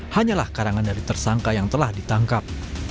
hanyalah karangan dari tersangka yang telah ditangkap